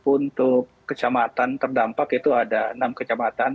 untuk kecamatan terdampak itu ada enam kecamatan